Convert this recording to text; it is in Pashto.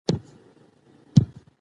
له خپلو ملګرو سره تل رښتیا ووایئ.